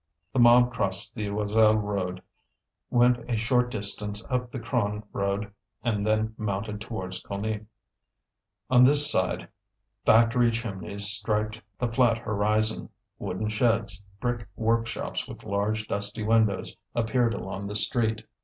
The mob crossed the Joiselle road, went a short distance up the Cron road and then mounted towards Cougny. On this side, factory chimneys striped the flat horizon; wooden sheds, brick workshops with large dusty windows, appeared along the street.